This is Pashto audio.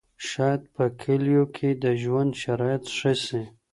شاید په کليو کې د ژوند شرایط ښه سي.